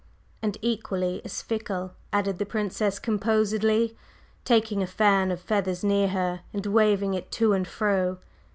"And equally as fickle," added the Princess composedly, taking a fan of feathers near her and waving it to and fro.